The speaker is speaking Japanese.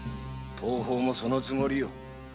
当方もそのつもりよ。